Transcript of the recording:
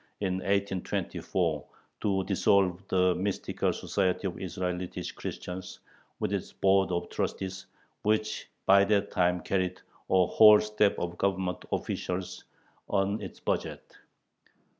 in 1824, to dissolve the mythical Society of Israelitish Christians with its Board of Trustees, which by that time carried a whole staff of Government officials on its budget.